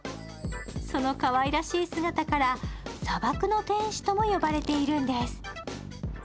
そのかわいらしい姿から、砂漠の天使とも呼ばれているんです。